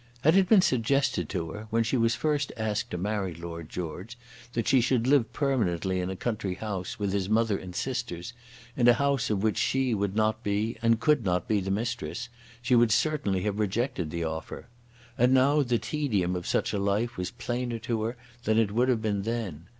Had it been suggested to her, when she was first asked to marry Lord George, that she should live permanently in a country house with his mother and sisters, in a house of which she would not be and could not be the mistress, she would certainly have rejected the offer. And now the tedium of such a life was plainer to her than it would have been then.